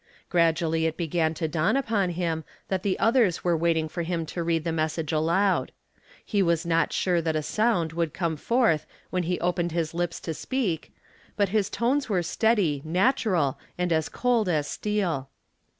Gradually it began to dawn upon him that the others were waiting for him to read the message aloud. He was not sure that a sound would come forth when he opened his lips to speak, but the tones were steady, natural and as cold as steel.